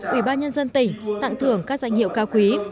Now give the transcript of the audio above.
ủy ban nhân dân tỉnh tặng thưởng các danh hiệu cao quý